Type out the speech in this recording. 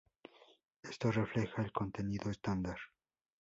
Ésta refleja el contenido estándar.